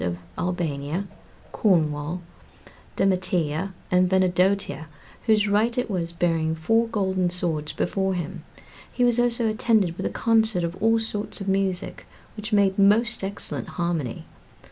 of Albania, Cornwall, Demetia, and Venedotia, whose right it was, bearing four golden swords before him. He was also attended with a concert of all sorts of music, which made most excellent harmony.